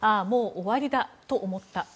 もう終わりだと思った。